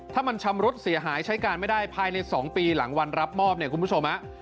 ถ้ามันชำรุดเสียหายใช้การไม่ได้ภายใน๒ปีหลังวันรับมอบเนี่ยคุณผู้ชมฮะ